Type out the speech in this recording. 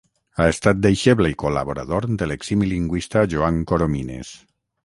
Ha estat deixeble i col·laborador de l'eximi lingüista Joan Coromines.